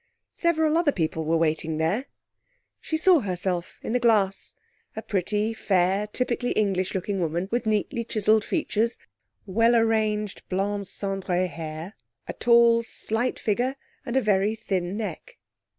Several other people were waiting there. She saw herself in the glass a pretty, fair, typically English looking woman, with neatly chiselled features, well arranged blond cendré hair, a tall, slight figure, and a very thin neck.